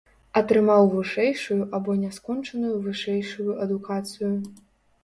Атрымаў вышэйшую або няскончаную вышэйшую адукацыю.